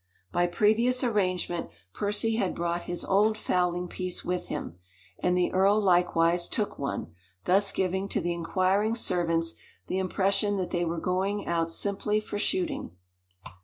By previous arrangement Percy had brought his old fowling piece with him; and the earl likewise took one, thus giving to the inquiring servants the impression that they were going out simply for shooting.